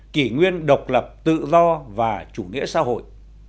kỷ nguyên độc lập tự do và chủ nghĩa xã hội